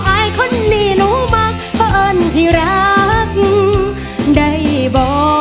ไอ้คนนี้หนูบักเพราะเอิญที่รักได้บ่